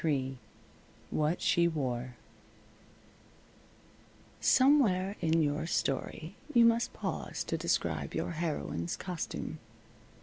III WHAT SHE WORE Somewhere in your story you must pause to describe your heroine's costume.